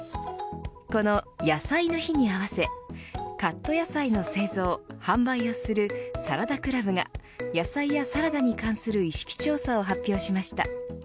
この野菜の日に合わせカット野菜の製造、販売をするサラダクラブが野菜やサラダに関する意識調査を発表しました。